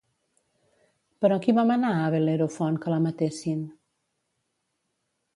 Però qui va manar a Bel·lerofont que la matessin?